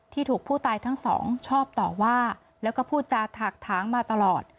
ถูกผู้ตายทั้งสองชอบต่อว่าแล้วก็พูดจาถักถางมาตลอด